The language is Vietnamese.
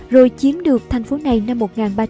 rồi chiếm được thành phố này năm một nghìn ba trăm bốn mươi